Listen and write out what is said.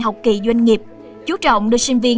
học kỳ doanh nghiệp chú trọng đưa sinh viên